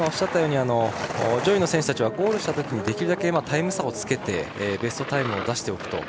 上位の選手たちはゴールしたときに、できるだけタイム差をつけてベストタイムを出しておく。